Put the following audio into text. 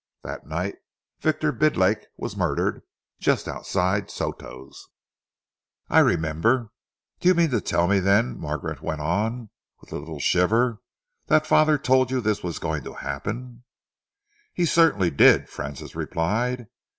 That night Victor Bidlake was murdered just outside Soto's." "I remember! Do you mean to tell me, then," Margaret went on, with a little shiver, "that father told you this was going to happen?" "He certainly did," Francis replied.